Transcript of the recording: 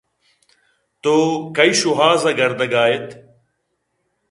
تو کئی شوہاز ءَ گردگ ءَاِت